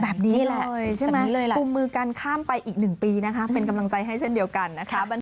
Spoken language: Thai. แบบนี้แหละใช่ไหมกลุ่มมือกันข้ามไปอีก๑ปีนะคะเป็นกำลังใจให้เช่นเดียวกันนะคะ